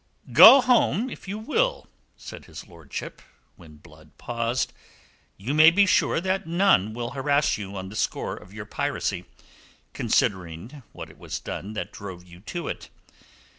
"Go home, if you will," said his lordship, when Blood paused. "You may be sure that none will harass you on the score of your piracy, considering what it was that drove you to it.